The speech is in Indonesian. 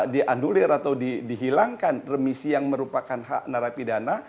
diandulir atau dihilangkan remisi yang merupakan hak narapidana